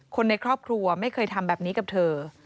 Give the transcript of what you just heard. คนในครอบครัวไม่เคยทำแบบนี้กับเธอ